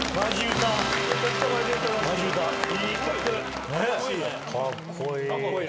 かっこいい。